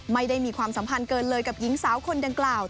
ไม่ได้มีความสัมพันธ์เกินเลยกับหญิงสาวคนดังกล่าว